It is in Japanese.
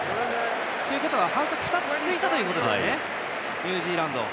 ということは反則が２つ続いたんですねニュージーランド。